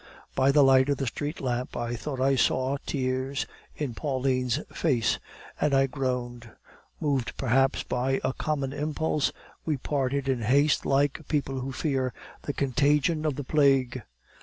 "By the light of the street lamp I thought I saw tears in Pauline's eyes, and I groaned. Moved perhaps by a common impulse, we parted in haste like people who fear the contagion of the plague.